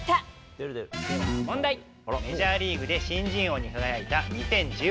メジャーリーグで新人王に輝いた２０１８年。